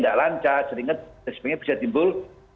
tidak lancar seringnya bisa timbul